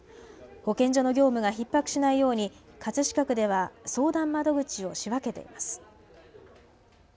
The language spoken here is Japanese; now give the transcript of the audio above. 保健所の業務がひっ迫しないように葛飾区では相談窓口を仕分けています。